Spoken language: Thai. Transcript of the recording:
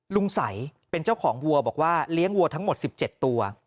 ใสเป็นเจ้าของวัวบอกว่าเลี้ยงวัวทั้งหมด๑๗ตัว